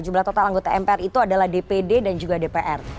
jumlah total anggota mpr itu adalah dpd dan juga dpr